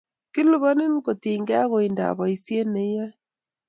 kiliponin kotinygei ak oindab boisie neiyoe